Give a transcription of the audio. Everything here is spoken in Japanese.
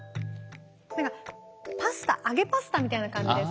何かパスタ揚げパスタみたいな感じです。